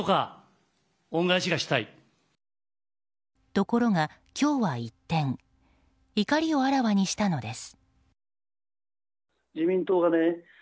ところが今日は一転怒りをあらわにしたのです。